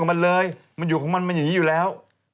พระพุทธรูปสูงเก้าชั้นหมายความว่าสูงเก้าตึกเก้าชั้น